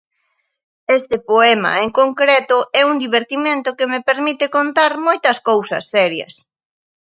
Este poema en concreto é un divertimento que me permite contar moitas cousas serias.